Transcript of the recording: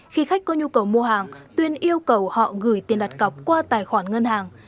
khi khách có nhu cầu mua hàng tuyên yêu cầu họ gửi tiền đặt cọc qua tài khoản ngân hàng